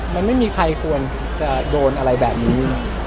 มันไม่มีใครควรจะโดนอะไรแบบนี้